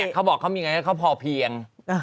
เขาบอกเขามีเงินแค่นี้เขาพอเพียง